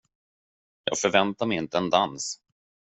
Jag förväntade mig inte en dans.